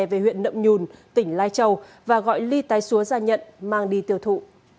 về huyện nậm nhùn tỉnh lai châu và gọi ly tái xúa ra nhận mang đi tiêu thụ